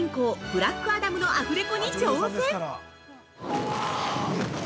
ブラックアダムのアフレコに挑戦！